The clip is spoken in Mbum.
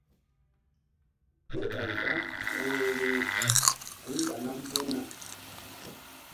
Kerɓay gbam ku vbe-vbeh guri ɓa nam mbu̧h na.